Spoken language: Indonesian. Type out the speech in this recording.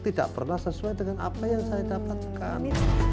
tidak pernah sesuai dengan apa yang saya dapatkan